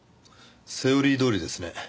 セオリーどおりですね。